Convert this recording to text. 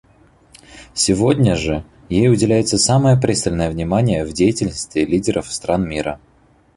Сегодня же ей уделяется самое пристальное внимание в деятельности лидеров стран мира.